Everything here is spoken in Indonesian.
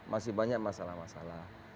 masih banyak masalah masalah